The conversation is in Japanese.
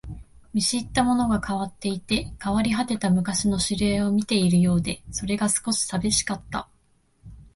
見知ったものが変わっていて、変わり果てた昔の知り合いを見ているようで、それが少し寂しかった